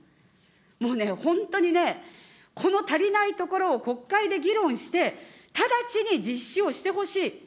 もうね、本当にね、この足りないところを国会で議論して、直ちに実施をしてほしい。